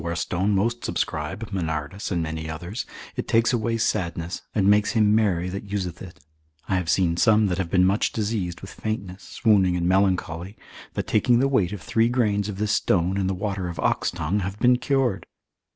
To bezoar stone most subscribe, Manardus, and many others; it takes away sadness, and makes him merry that useth it; I have seen some that have been much diseased with faintness, swooning, and melancholy, that taking the weight of three grains of this stone, in the water of oxtongue, have been cured.